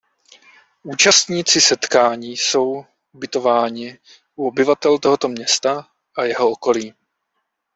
Účastníci setkání jsou ubytováni u obyvatel tohoto města a jeho okolí.